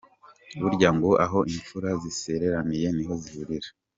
Burya ngo " aho imfura zisezeraniye niho zihurira”.